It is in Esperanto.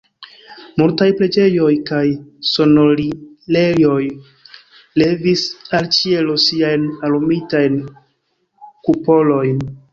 Multaj preĝejoj kaj sonorilejoj levis al ĉielo siajn orumitajn kupolojn.